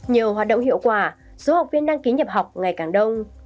nhiều hoạt động hiệu quả số học viên đăng ký nhập học ngày càng đông